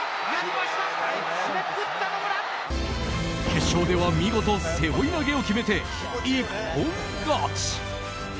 決勝では見事背負い投げを決めて一本勝ち！